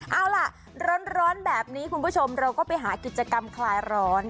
เอาล่ะร้อนแบบนี้คุณผู้ชมเราก็ไปหากิจกรรมคลายร้อน